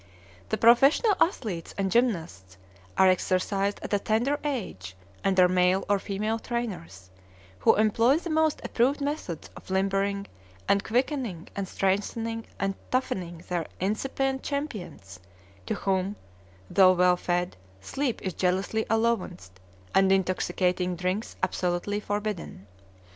The professional athletes and gymnasts are exercised at a tender age under male or female trainers, who employ the most approved methods of limbering and quickening and strengthening and toughening their incipient champions, to whom, though well fed, sleep is jealously allowanced and intoxicating drinks absolutely forbidden.